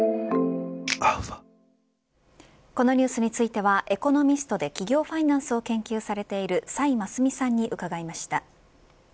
このニュースについてはエコノミストで企業ファイナンスを研究されている崔真淑さんに伺いました。